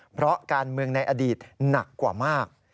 เพราะการเมืองในอดีตหนักกว่ามาก